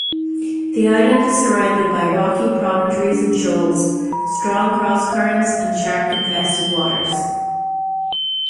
The island is surrounded by rocky promontories and shoals, strong cross-currents and shark-infested waters.